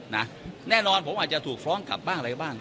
แน่นอนผมอาจจะถูกฟ้องกลับบ้างอะไรบ้าง